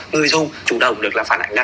người dung chủ động được là phản ảnh